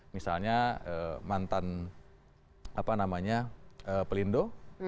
misalnya mantan pelindo